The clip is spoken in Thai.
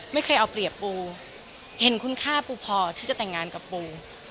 ไม่เคยเอาเปรียบปูเห็นคุณค่าปูพอที่จะแต่งงานกับปู